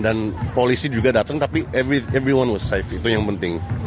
dan polisi juga datang tapi everyone was safe itu yang penting